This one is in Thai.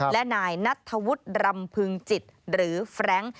และนายนัทธวุฒิรำพึงจิตหรือแฟรงค์